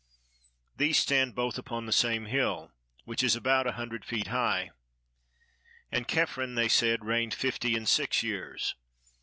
These stand both upon the same hill, which is about a hundred feet high. And Chephren they said reigned fifty and six years.